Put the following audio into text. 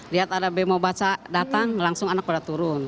lihat ada bemo baca datang langsung anak pada turun